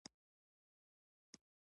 دا د ملي وحدت مهمې وسیلې هم دي.